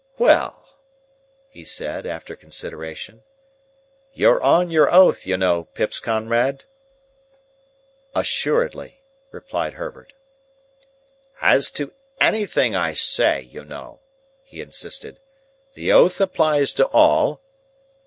"Well!" he said, after consideration. "You're on your oath, you know, Pip's comrade?" "Assuredly," replied Herbert. "As to anything I say, you know," he insisted. "The oath applies to all."